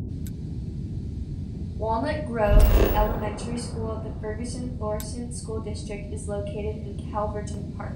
Walnut Grove Elementary School of the Ferguson-Florissant School District is located in Calverton Park.